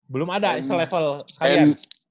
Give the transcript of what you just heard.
belum ada selevel kalian